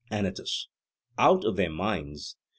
ANYTUS: Out of their minds!